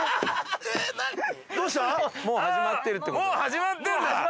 もう始まってるってこと？